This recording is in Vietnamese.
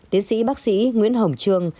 tiến sĩ bác sĩ nguyễn hồng trương